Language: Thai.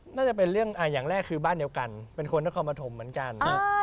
น่าจะเป็นเรื่องอย่างแรกคือบ้านเดียวกันเป็นคนนครปฐมเหมือนกัน